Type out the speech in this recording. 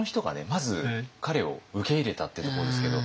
まず彼を受け入れたっていうところですけど。